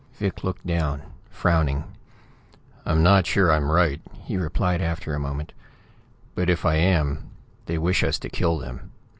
Vic looked down, frowning. "I'm not sure I'm right," he replied after a moment, "but if I am they wish us to kill them.